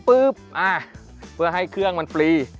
เพื่อให้เครื่องมันปลี